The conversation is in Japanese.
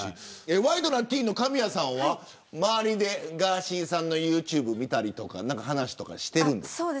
ワイドナティーンの神谷さんは周りでガーシーさんのユーチューブを見たり話とかしてるんですか。